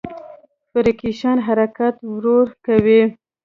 فریکشن حرکت ورو کوي.